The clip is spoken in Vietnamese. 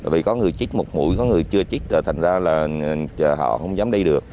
vì có người chích một mũi có người chưa chích rồi thành ra là họ không dám đi được